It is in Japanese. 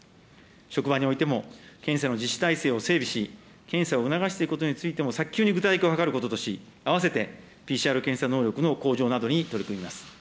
職場においても、検査の実施体制を整備し、検査を促していくことについても早急に具体化を図ることとし、併せてＰＣＲ検査能力の向上などに取り組みます。